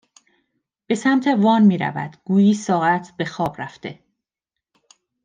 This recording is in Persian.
به سمت وان میرود گویی ساعت به خواب رفته